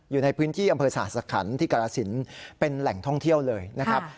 อยู่ในพื้นที่อำเภอสหสคัญที่กรสินเป็นแหล่งท่องเที่ยวเลยนะครับ